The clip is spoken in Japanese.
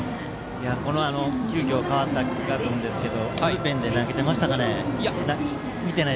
この急きょ代わった寿賀君ですがブルペンで投げていましたかね。